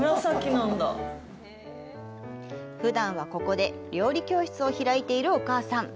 ふだんはここで料理教室を開いているお母さん。